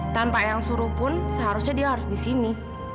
tanpa yang suruh pun seharusnya dia harus di sini